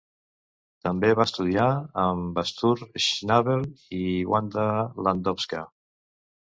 També va estudiar amb Artur Schnabel i Wanda Landowska.